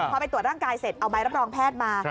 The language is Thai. พอไปตรวจร่างกายเสร็จเอาใบรับรองแพทย์มา